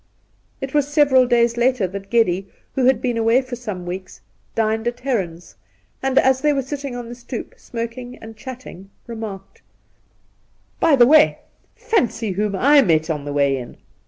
It was several days later that Geddy, who had been away for some weeks, dined at Heron's, and, as they were sitting on the stoep smoking and chatting, remarked :' By the way, fancy whom I met on the way in